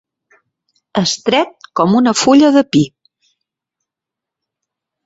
Estret com una fulla de pi.